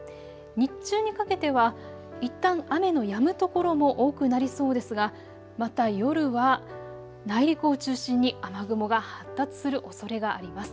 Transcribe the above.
日中にかけてはいったん雨のやむ所も多くなりそうですがまた夜は内陸を中心に雨雲が発達するおそれがあります。